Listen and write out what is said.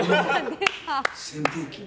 扇風機。